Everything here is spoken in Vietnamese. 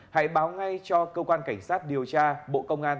hãy báo ngay cho cơ quan cảnh sát điều tra bộ công an